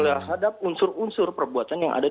terhadap unsur unsur perbuatan yang ada